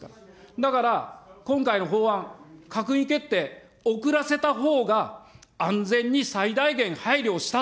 だから、今回の法案、閣議決定遅らせたほうが、安全に最大限配慮した。